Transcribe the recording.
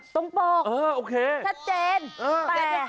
ตรงโปรกชัดเจนแปล